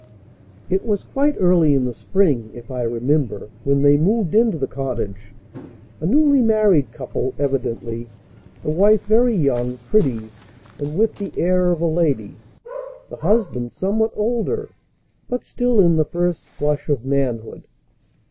It was quite early in the spring, if I remember, when they moved into the cottage a newly married couple, evidently: the wife very young, pretty, and with the air of a lady; the husband somewhat older, but still in the first flush of manhood.